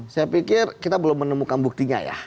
saya pikir kita belum menemukan buktinya ya